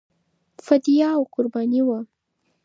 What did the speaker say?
فدیه او قرباني وه.